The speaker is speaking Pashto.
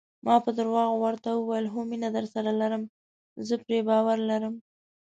ما په درواغو ورته وویل: هو، مینه درسره لرم، زه پرې باور لرم.